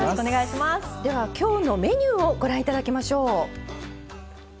きょうのメニューをご覧いただきましょう。